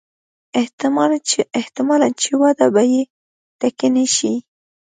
احتمالاً چې وده به یې ټکنۍ شي.